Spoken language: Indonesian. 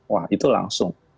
wah itu langsung